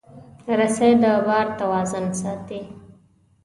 رسۍ د بار توازن ساتي.